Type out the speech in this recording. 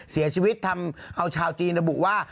เสียชีวิตทำเอาชาวจีนระบุว่า